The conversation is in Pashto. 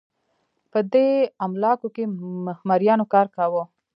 په دې املاکو کې مریانو کار کاوه